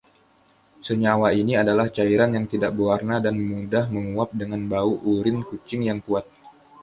Senyawa ini adalah cairan yang tidak berwarna dan mudah menguap dengan bau urin kucing yang kuat.